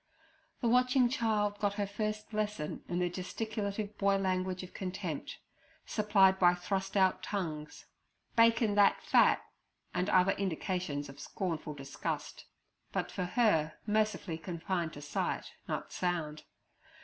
The watching child got her first lesson in the gesticulative boy language of contempt, supplied by thrust out tongues, 'Bacon that fat' and other indications of scornful disgust, but for her mercifully confined to sight, not sound.